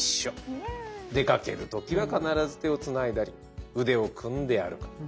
「出かけるときは必ず手をつないだり腕を組んで歩く」。